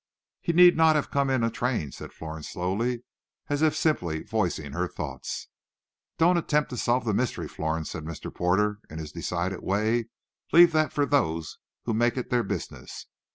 "He need not have come in a train," said Florence slowly, as if simply voicing her thoughts. "Don't attempt to solve the mystery, Florence," said Mr. Porter in his decided way. "Leave that for those who make it their business.